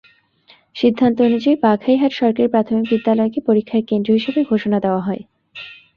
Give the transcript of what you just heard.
সিদ্ধান্ত অনুযায়ী বাঘাইহাট সরকারি প্রাথমিক বিদ্যালয়কে পরীক্ষার কেন্দ্র হিসেবে ঘোষণা দেওয়া হয়।